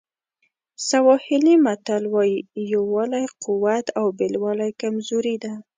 سواهیلي متل وایي یووالی قوت او بېلوالی کمزوري ده.